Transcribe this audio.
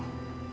oh gitu ya